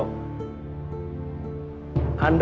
aku berhubung sama anda